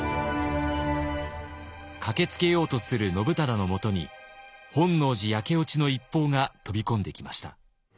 駆けつけようとする信忠のもとに本能寺焼け落ちの一報が飛び込んできました。